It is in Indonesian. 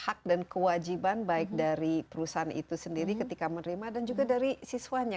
hak dan kewajiban baik dari perusahaan itu sendiri ketika menerima dan juga dari siswanya